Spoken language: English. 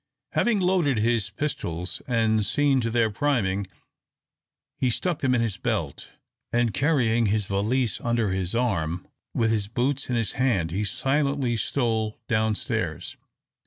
Having loaded his pistols and seen to their priming, he stuck them in his belt, and, carrying his valise under his arm, with his boots in his hand, he silently stole down stairs.